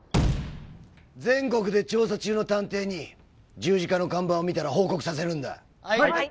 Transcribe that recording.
全国で調査中の探偵に十字架の看板を見たら報告させるんだはい